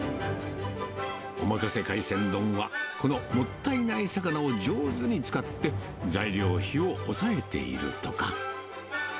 おまかせ海鮮丼は、このもったいない魚を上手に使って、材料費を抑えているとか。